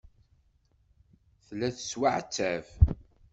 Tella tettwaɛettab.